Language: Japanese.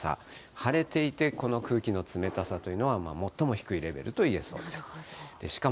晴れていてこの空気の冷たさというのは、最も低いレベルといえそうです。